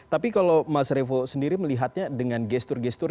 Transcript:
tapi kalau mas revo sendiri melihatnya dengan gestur gestur